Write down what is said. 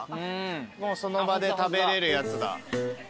もうその場で食べれるやつだ。